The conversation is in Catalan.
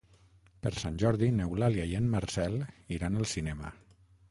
Per Sant Jordi n'Eulàlia i en Marcel iran al cinema.